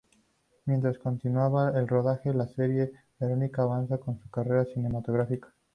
Mientras continuaba el rodaje de la serie, Verónica avanzaba en su carrera cinematográfica.